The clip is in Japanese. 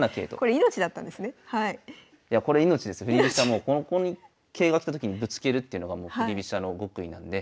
もうここに桂が来たときにぶつけるっていうのが振り飛車の極意なんで。